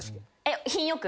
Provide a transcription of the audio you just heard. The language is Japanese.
品よく？